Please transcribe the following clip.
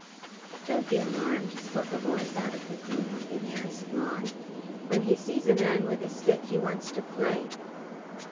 "Don't be alarmed," spoke a voice out of the gloom of the nearest lawn. "When he sees a man with a stick, he wants to play."